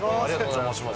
お邪魔します。